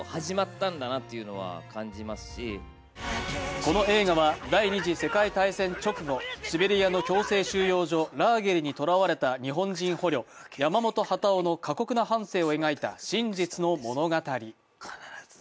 この映画は第二次世界大戦直後、シベリアの強制収容所・ラーゲリにとらわれた日本人捕虜・山本幡男の過酷な反省を描いた真実の物語。